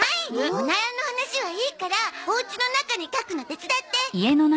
オナラの話はいいからおうちの中に描くの手伝って。